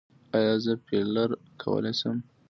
ایا زه فیلر کولی شم؟